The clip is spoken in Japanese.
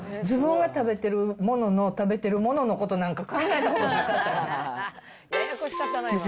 自分が食べてるものの、食べてるもののことなんか考えたことなかったな。